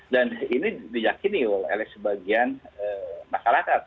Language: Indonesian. dan ini diyakini oleh sebagian masyarakat